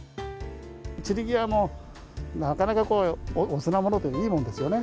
散り際もなかなかおつなものというか、いいものですよね。